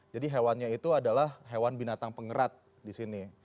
jadi hewannya itu adalah hewan binatang pengerat disini